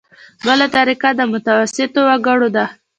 بله طریقه د متوسطو وګړو ده.